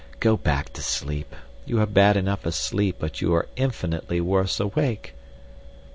Go back to sleep. You are bad enough asleep, but you are infinitely worse awake."